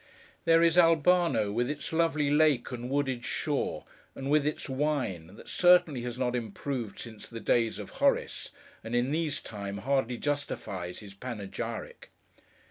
There is Albano, with its lovely lake and wooded shore, and with its wine, that certainly has not improved since the days of Horace, and in these times hardly justifies his panegyric.